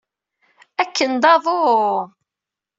Akken d aḍu!